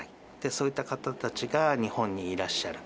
そういった方たちが日本にいらっしゃる。